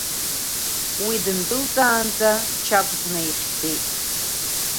Уи дындәылҵаанӡа Чагә днаихьӡеит.